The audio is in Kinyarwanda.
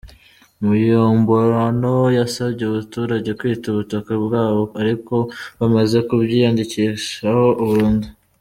Muyombano yasabye abaturage kwita ubutaka ubwabo ari uko bamaze kubwiyandikishaho burundu.